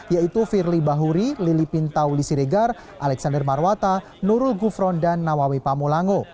yaitu firly bahuri lilipin taulisiregar alexander marwata nurul gufron dan nawawi pamulango